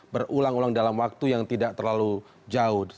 berulang ulang dalam waktu yang tidak terlalu jauh